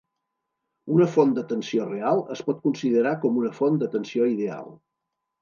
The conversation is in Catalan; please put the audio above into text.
Una font de tensió real es pot considerar com una font de tensió ideal.